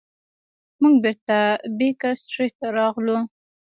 موږ بیرته بیکر سټریټ ته راغلو.